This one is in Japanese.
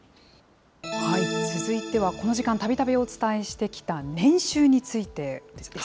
続いてはこの時間たびたびお伝えしてきた年収についてです。